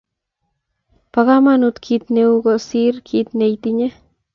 bo komonut kiit neiu kosiir kiit neitinye